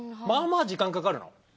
まあまあ時間かかるの？